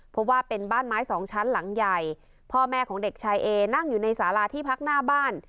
เพราะว่าเป็นบ้านไม้สองชั้นหลังใหญ่พ่อแม่ของเด็กชายเอนั่งอยู่ในสาราที่พักหน้าบ้าน